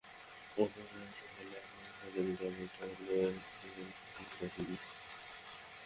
ওকে হারাতে হলে আপনাকে সেরাটা দিতে হবে, এতে কোনো সন্দেহ নেই।